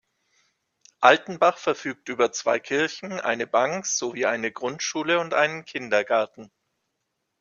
Altenbach verfügt über zwei Kirchen, eine Bank sowie eine Grundschule und einen Kindergarten.